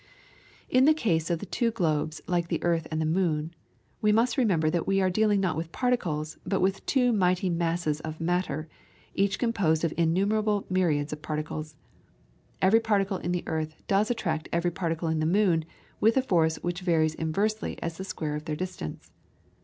In the case of two globes like the earth and the moon, we must remember that we are dealing not with particles, but with two mighty masses of matter, each composed of innumerable myriads of particles. Every particle in the earth does attract every particle in the moon with a force which varies inversely as the square of their distance.